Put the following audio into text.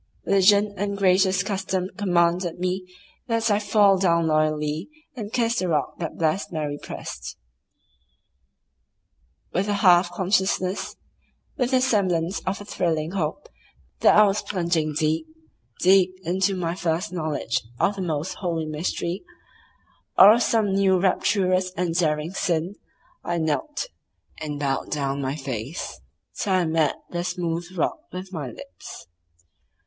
Religion and gracious custom commanded me that I fall down loyally and kiss the rock that blessed Mary pressed. With a half consciousness, with the semblance of a thrilling hope that I was plunging deep, deep into my first knowledge of some most holy mystery, or of some new rapturous and daring sin, I knelt, and bowed down my face till I met the smooth rock with my lips.